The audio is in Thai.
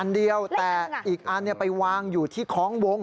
อันเดียวแต่อีกอันไปวางอยู่ที่คล้องวง